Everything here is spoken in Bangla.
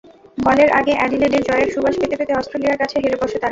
গলের আগে অ্যাডিলেডে জয়ের সুবাস পেতে পেতে অস্ট্রেলিয়ার কাছে হেরে বসে তারা।